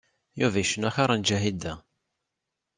Yuba icennu axiṛ n Ǧahida.